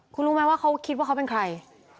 คุณรู้ไหมว่าเขาคิดว่าเขาเป็นใคร